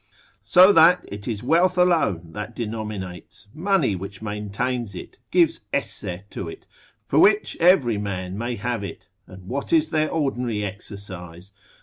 So that it is wealth alone that denominates, money which maintains it, gives esse to it, for which every man may have it. And what is their ordinary exercise?